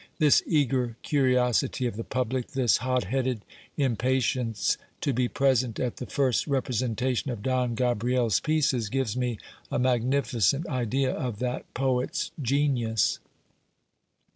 This eager curiosity of the public, this hot headed impatience to be present at the first representation of Don Gabriel's pieces, gives me a magnificent idea of that poet's genius.